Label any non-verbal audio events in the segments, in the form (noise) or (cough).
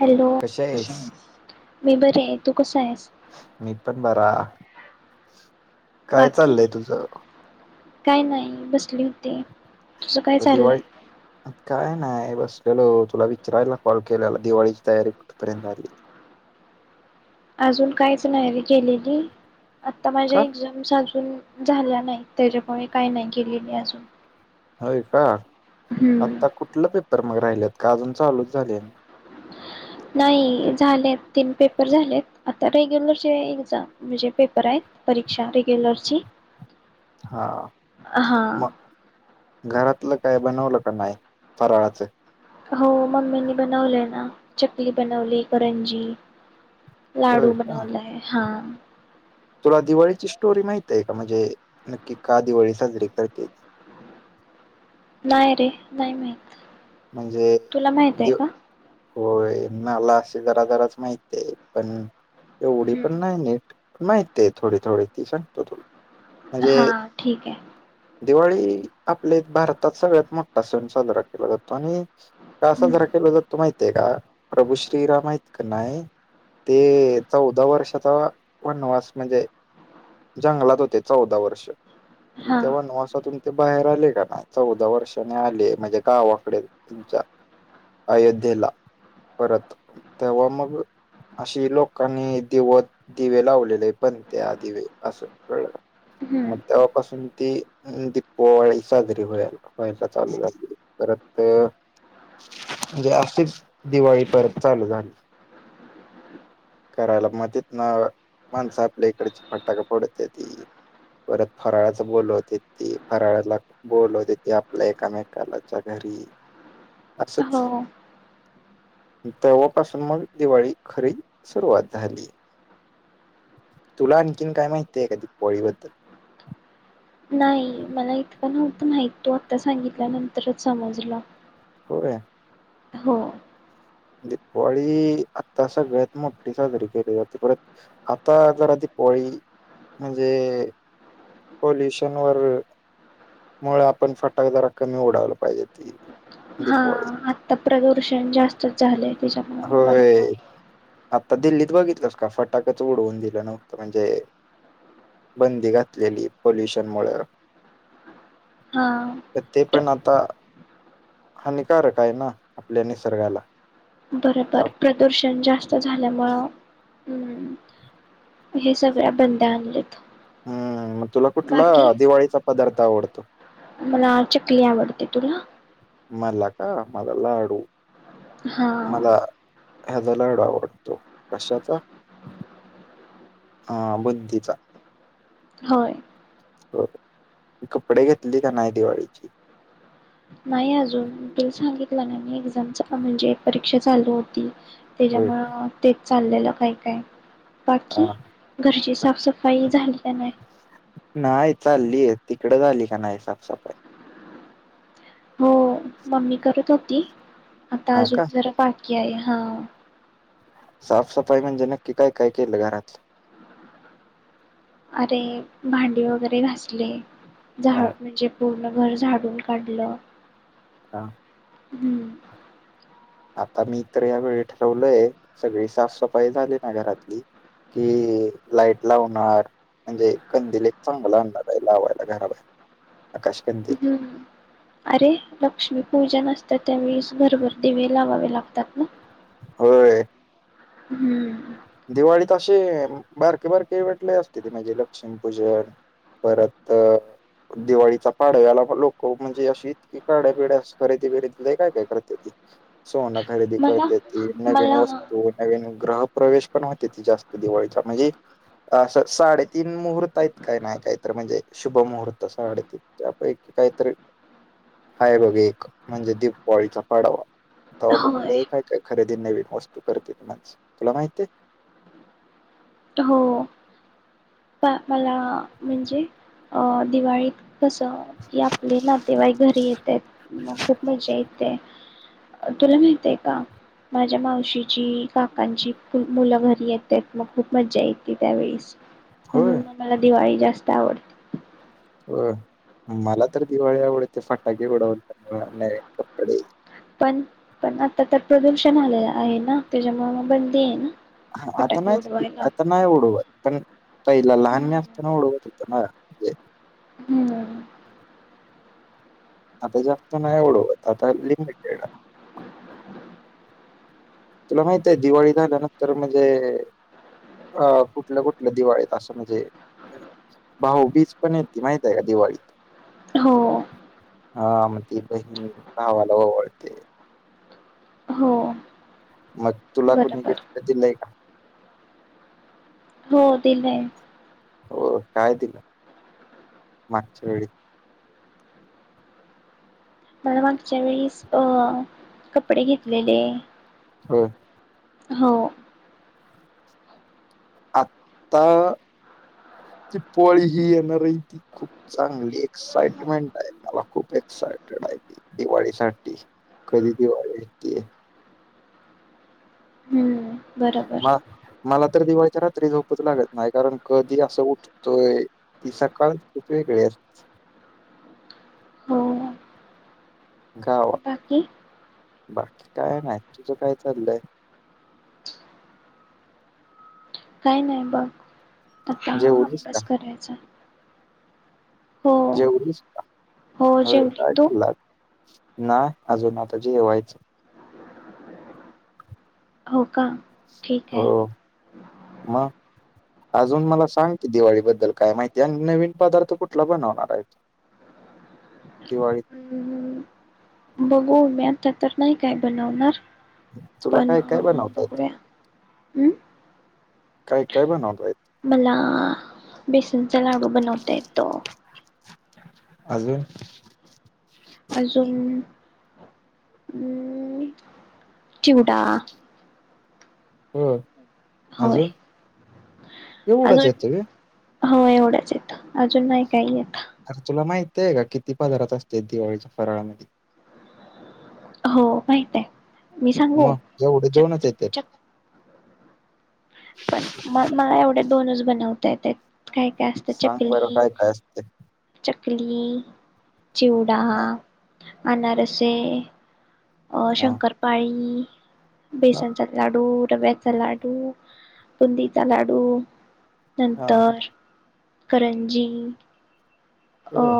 Hello कशी आहेस? मी बरे आहे. तू कसा आहेस? मी पण बरा. काय बाकी चाललंय तुझं? काय नाही बसली होती. तुझं काय चाललंय दिवाळी काय नाही बस तुला विचारायला कॉल केलेला दिवाळीची तयारी कुठपर्यंत आली? अजून कायच नाही रे केलेली. आता माझ्या का? एक्झाम चालू तून झाल्या नाही त्याच्यामुळे काय नाही मी केलेली अजून होय का आता हम्म कुठलं पेपर मग राहिल्यात? का अजून चालूच झाले? नाही झालेत तीन पेपर झालेत आता रेग्युलरचे एग्जाम म्हणजे पेपर आहेत परीक्षा रेग्युलरची हा हा मग घरातलं काय बनवलं का नाही फराळाचे हो मम्मीनी बनवलंय ना चकली बनवली करंजी होय लाडू का? बनवलाय हा तुला दिवाळीची स्टोरी माहिते आहे का म्हणजे की का दिवाळी साजरी करतेत? नाही रे नाही माहित. म्हणजे तुला माहित आहे द का होय मला असे जरा-जराच माहित आहे पण एवढी हम्म. पण नाही नीट माहित आहे थोडी थोडी ती सांगतो तुला हा म्हणजे ठीक आहे दिवाळी आपल्या एक भारतात सगळ्यात मोठा सण साजरा केला जातो. आणि का साजरा केला जातो माहित आहे का प्रभू श्रीराम आहेत की नाही ते चौदा वर्षात तो वनवास म्हणजे जंगलात होते चौदा वर्ष आणि हां, तेव्हा नवासातून ते बाहेर आले का ना, चौदा वर्षाने आले म्हणजे गावा इकडं तुमच्या अयोध्येला परत तेव्हा मग अशी लोकांनी दिवत दिवे लावलेले पण त्या दिवे असं कळलं मग हं. तेव्हापासून ती दीपावाळी साजरी होयला होयला चालू झाली परत तो म्हणजे अशीच दिवाळी परत चालू झाली करायला, मग तिथनं माणसं आपल्या इकडची फटाका फोडत होती, परत फराळाचा बोलवते ती फराळाला बोलवते होते, आपल्या एकामेकाला च घरी असच हो. तेव्हापासून मग दिवाळी खरी सुरुवात झाली. तुला आणखीन काय माहित आहे का दिपवाळी बद्दल? नाही मला इतक नव्हत माहित तू आता सांगितल्यानंतरच समजला. होय हो दिपवाळी आता सगळ्यात मोठी साजरी केली जाते, परत आता जरा दिपवाळी म्हणजे पोल्युशन वर मग आपण फटाका जरा कमी उडावला पाहिजे ती हा दीपावळी आता प्रदूर्श जास्तच झालय त्याच्यामुळ होय बरोबर आता दिल्लीत बघितलंस का फटाकच उडवून दिलं नव्हतं म्हणजे बंदी घातलेली पल्युशन मुळ हा तर ते पण आता हानिकारक आहे ना? आपल्या निसर्गाला आता बरोबर प्रदूषण जास्त झाल्यामुंळ हम्म हे सगळ्या बंदया आणलेत हम्म मग तुला बाकी कुठला दिवाळीचा पदार्थ आवडत मला चकली आवडते. तुला? मला का? मला लाडू हा मला ह्याचा लडू आवडतो कशाचा? हा बुंदीचा होय हो कपडे घेतली का नाही दिवाळीची? नाही अजून तुला सांगितलं ना मी एक्झामची पण म्हणजे एक परीक्षा चालू होती होय का त्याच्यामुळे ते चाललेलं काय? काय? बाकी हा घरची साफसफाई झाली? का नाय? नाही चालले आहे तिकडं झाली का नाही साफसफाई? हो मम्मी करत होती आता हा अजून का जरा बाकी (unintelligible) हा साफसफाई म्हणजे नक्की काय?? काय? केलं घरातलं अरे भांडी वगैरे घासली हा झाड म्हणजे? पूर्ण घर झाडून काढल हा हम्म आता मी तर यावेेळी ठरवलय सगळी साफसफाई झाली ना घरातली कि लाईट लावणार म्हणजे कंदील एक चांगला आणणार आहे लावायला घराबाहेर आकाश कंदील. हम्म अरे लक्ष्मी पूजा नसते त्यावेळेस भरभर दिवे लावावे लागतात ना होय हम्म दिवाळीत असे बारके बारके वाेटले असते ते म्हणजे लक्ष्मीपूजन परत दिवाळीचा पाडव्याला लोक म्हणजे अशी इतकी गाड्या बिड्या खरेदी बरेदी काय काय? करते ती सोन खरेदी मला करते ती नवीन मला वस्तू नवीन ग्राहक प्रवेश पण होते ती जास्त दिवाळीच्या म्हणजे असा साडेतीन मुहूर्त आहेत काय नाही काहीतर म्हणजे शुभ मुहूर्त साडेतीनच्या पैकी काहीतरी आहे बघ एक म्हणजे दीपावली पाडवा तवा बघू होय काय काय? खरेदी नवीन वस्तू करत्यात माणसं तुला माहिती आहे. हो पण मला म्हणजे अ दिवाळीत कस की आपले नातेवाईक घरी येतात मग खूप मज्जा येते तुला माहिती का माझ्या मावशीची काकांची मुलं घरी येतात मग खूप मज्जा येते त्यावेळीस होय म्हणून आम्हाला दिवाळीला (unintelligible) आवडते हो मला तर दिवाळी आवडते फटाके उडवायला (unintelligible) नवीन कपडे पण पण आता तर प्रदूषण आहे ना त्याच्यामुळे बंदी आहे ना? हा आता फटाके नाही उडवायला आता नाही उडवत पण पहिला लहान मी असताना उडवत होतो ना (inaudible) (inaudible) आता जास्त नाय उडवत आता लिमिटेड तुला माहित आहे दिवाळी झाल्यानंतर म्हणजे अ कुठलं कुठलं दिवाळीत अस म्हणजे भाऊबीज पण येती माहित आहे का दिवाळीत हो हा मग ती बहीण भावाला ओवाळते. हो मग तुला कुणी बरोबर गिफ्ट दिलय का? हो दिलंय. हो काय दिलं मागच्या वेळी मला मागच्या वेळीस अ कपडे घेतलेले होय. हो आत्ता दीपावळी ही येणार आहे ती खूप चांगली एक्साइटमेंट आहे मला खूप एक्सायटेड आहे ती दिवाळीसाठी कधी दिवाळी येतीये हम्म बरोबर म मला तर दिवाळी च्या रात्री झोपच लागत नाही कारण कधी असं उठतोय ती सकाळच खूप वेगळी अस हो गावा बाकी बाकी काय नाही तुझं काय चाललंय काही नाही बघ आता जेवलीस का अभ्यास करायचाय जेवलीस का हो होय जेवली काय तू खांल्ल आज नाय अजून आता जेवायचं हो का ठीक आहे. हो मग अजून मला सांग की दिवाळीबद्दल काय माहिती आणि नवीन पदार्थ कुठला बनवणार आहेत दिवाळीत हम्म बघू मी आत्ता तर नाही काय बनवणार तुला पण काय काय बनवतायत बघूया हं काय काय बनवता ये मला बेस नच लाडू बनवता येतो. अजून अजून नं चिवडा होय. होय अजून एवढंच अजून येतं होय? हो एवढंच येतं. अजून नाही काही येत. तेय का किती पदरात असतेत दिवाळीच्या फराळामधी? हो माहित आहे. मी सांगू मग एवढे दोनच चक येते चक पण म मला एवढे दोनच बनवता येत्यात. सांग बरं काय, काय असतय? कली चिवडा अनारसे अ हा शंकरपाळी हा बेशनचा लाडू रव्याचा लाडू, बुंदीचा लाडू. हा नंतर करंजी अ होय.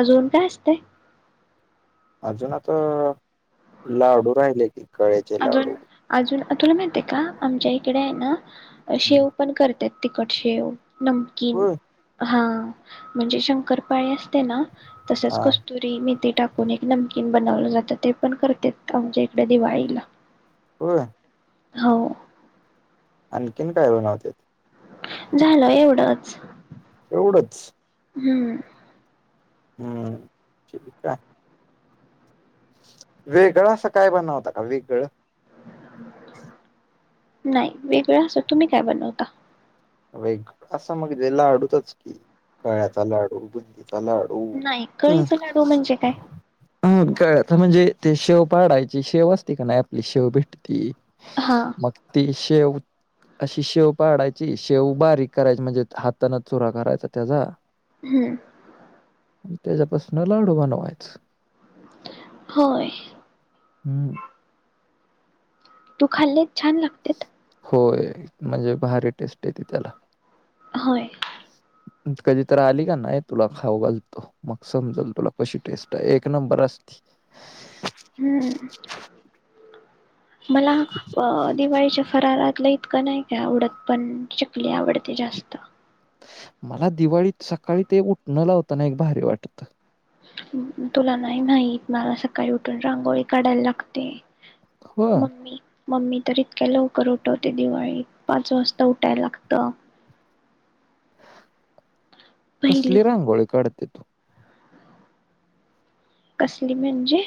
अजून काय असतंय? अजून आता, लाडू राहिले. की कळ्याचे अजून, लाडू अजून तुला माहिते का? आमच्या इकडे हाय ना अ शेव पण कर त्यात तिकट शेव. नमकीन होय हा. म्हणजे शंकरपाळी असते ना तसेच हा कस्तुरी मेती टाकून एक नमकीन बनवलं जातं, ते पण करत्यात आमच्या इकडं दिवाळीला. होय? हो. आणखीन काय बनवत्यात? झालं एवढंच. एवढंच? हम्म. हम्म ठीक हाय. वेगळं असं काय बनवता का? वेगळं (inaudible) नाई वेगळं असं तुम्ही काय बनवता? वेगल असं मग लाडूचच की कळ्याचा लाडू, बुंदी चा लाडू नाही उ कळीचा लाडू म्हणजे काय उ कळ्याचा म्हणजे ते शेव पाडायची शेव असते का नाई आपली शेव भेट ती हा मग ती शेव अशी शेव पाडायची ती शेव बारीक करायची म्हणजे हातानच चुरा करायचा तेजा हम्म आणि त्याज्यापासनं लाडू बनवायचं. होय. हम्म तू खाल्ले छान लागतेत. होय म्हणजे भारी टेस्ट येते त्याला. होय. कधी तर आली का नाही तुला खाऊ घालतो मग समजाल तुला कशी टेस्ट आहे एक नंबर असती. हम्म मला अ दिवाळीच्या फरारात इतकं नाही काय आवडत पण चकली आवडते जास्त. मला दिवाळीत सकाळी ते उठणं लावताना एक भारी वाटत. तुला नाही नाहीत मला सकाळी उठून रांगोळी काढायला लागते. हो, मम्मी मम्मी तर इतक्या लवकर उठवते दिवाळीत पाच वाजता उठायला लागत. पहिली कसली रांगोळी काढ (inaudible) कसली म्हणजे?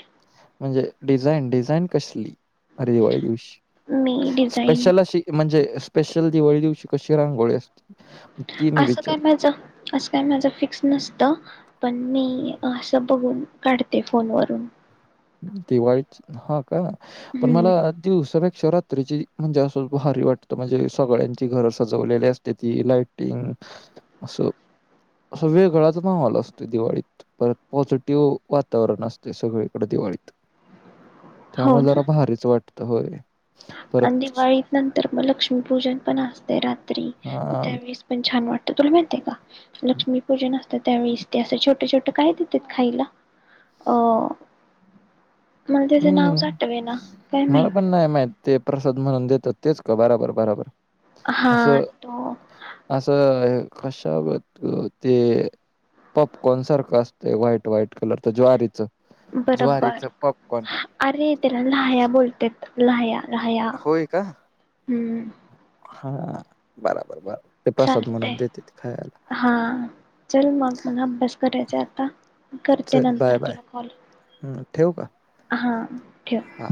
म्हणजे डिझाईन डिझाईन कसली? अरे दिवाळी दिवशी मी डिझाईन स्पेशल अशी म्हणजे स्पेशल दिवाळी दिवशी कशी रांगोळी अस असं काय माझं असं काय माझं फिक्स नस पण मी असं बघून काढते फोनवरून. दिवाळीची हा का पण हम्म मला अ दिवसापेक्षा रात्र तची म्हणजे असं भारी वाटत म्हणजे सगळ्यांची घर सजवलेली असते ती लाइटिंग असं असं वेगळाच माहोल असतो दिवाळीत परत पॉझिटिव्ह वातावरण असते सगळे इकडं दिवाळीत हो त्यामुळे ना जरा भारीच वाटत. तर होयं. आणि दिवाळी नंतर मग लक्ष्मीपूजन पण असते रात् तरी हा त्यावेळेस पण छान वाटत. तुला माहित आहे. का लक्ष्मी पूजन असतं. त्यावेळेस ते असं, छोटं छोटं काय देतात खायला. अ मला त्याचे नाव हम्म. आठवेना काय मला माहित. पण नाही माहित ते प्रसाद म्हणून देतात. तेच का बराबर बराबर, हा असं तो असं कशागत ते पॉपकॉन सारखं असतंय, व्हाईट व्हाईट कलर तर ज्वारीच, बरोबर ज्वारीच, पप अरे, त्याला लाह्या बोलतात. लाह्या लाह्या होय, का हम्म हा, बराबर बरा चालतंय हा चल मग, मला अभ्यास करायचा आता करते. चल नंतर बाय, बाय. तुला कॉल हं. ठेवू का? हा ठेव. हां.